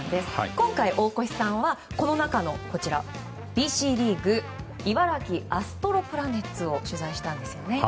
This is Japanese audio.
今回、大越さんはこの中のＢＣリーグ茨城アストロプラネッツを取材したんですよね。